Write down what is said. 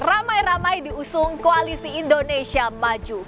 ramai ramai diusung koalisi indonesia maju